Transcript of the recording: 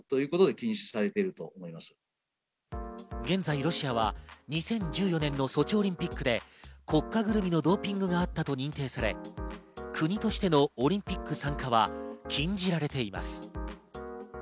現在、ロシアは２０１４年のソチオリンピックで国家ぐるみのドーピングがあったと認定され、国としてのオリンピック参加は禁じられています。